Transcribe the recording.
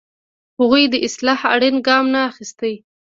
هغوی د اصلاح اړین ګام نه اخیسته.